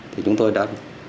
thì chúng tôi đã